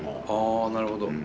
あなるほど。